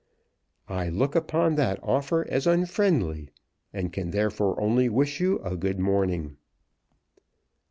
I look upon that offer as unfriendly, and can therefore only wish you a good morning."